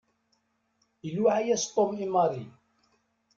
Iluɛa-yas Tom i Mary.